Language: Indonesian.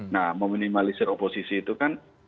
nah meminimalisir oposisi itu kan